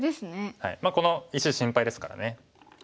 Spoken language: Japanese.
この石心配ですからね。